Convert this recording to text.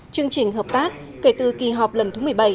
chương trình hợp tác kể từ kỳ họp lần thứ một mươi bảy